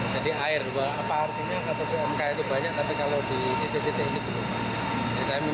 jadi air apa artinya kata kata itu banyak tapi kalau di titik titik ini saya memang tidak